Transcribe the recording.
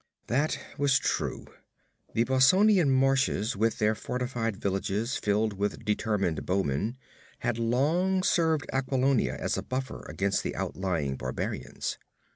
That was true; the Bossonian marches, with their fortified villages filled with determined bowmen, had long served Aquilonia as a buffer against the outlying barbarians.